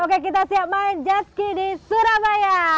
okay kita siap main jet ski di surabaya